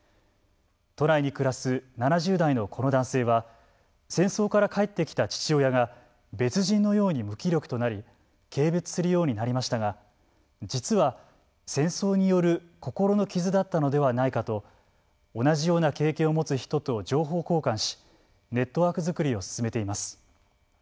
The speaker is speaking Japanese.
都内に暮らす７０代のこの男性は戦争から帰ってきた父親が別人のように無気力となり軽蔑するようになりましたが実は戦争による心の傷だったのではないかと同じような経験を持つ人と情報交換しネットワーク作りを進めています。